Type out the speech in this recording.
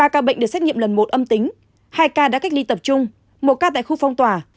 ba ca bệnh được xét nghiệm lần một âm tính hai ca đã cách ly tập trung một ca tại khu phong tỏa